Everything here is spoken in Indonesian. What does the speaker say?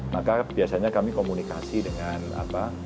maka biasanya kami komunikasi dengan apa